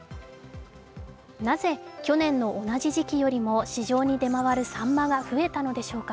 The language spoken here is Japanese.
なぜ去年の同じ時期よりも市場に出回るさんまが増えたのでしょうか。